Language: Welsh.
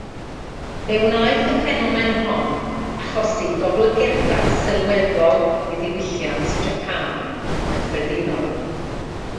Fe wnaeth y ffenomen hon achosi goblygiadau sylweddol i ddiwylliant Japan yn gyffredinol.